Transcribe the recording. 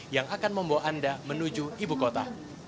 yang akan membawa anda menuju ibu kota